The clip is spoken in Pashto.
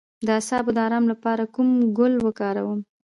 د اعصابو د ارام لپاره کوم ګل وکاروم؟